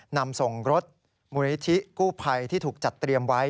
นำส่งรถมูลนิธิกู้ภัยที่ถูกจัดเตรียมไว้